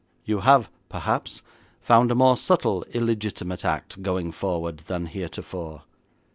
You have, perhaps, found a more subtle illegitimate act going forward than heretofore.